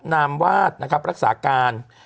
นามวาดนะครับรักษาการ